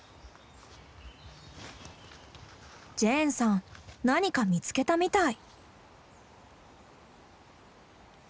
ジェーンさん何か見つけたみたい。